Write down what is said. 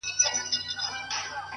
چي شال يې لوند سي د شړۍ مهتاجه سينه،